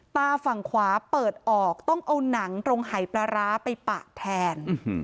ตาฝั่งขวาเปิดออกต้องเอาหนังตรงหายปลาร้าไปปะแทน